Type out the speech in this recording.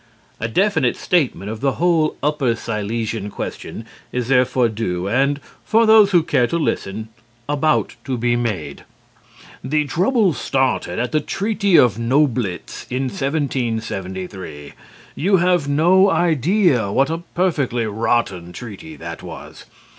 A definite statement of the whole Upper Silesian question is therefore due, and, for those who care to listen, about to be made. The trouble started at the treaty of Noblitz in 1773. You have no idea what a perfectly rotten treaty that was.